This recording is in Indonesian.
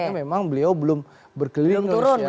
karena memang beliau belum berkeliling indonesia